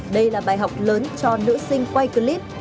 đây là bài học lớn cho nữ sinh quay clip